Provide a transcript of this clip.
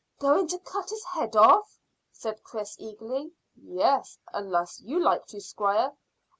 "Going to cut his head off?" said Chris eagerly. "Yes, unless you like to, squire."